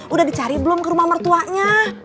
udah dicari belum ke rumah mertuanya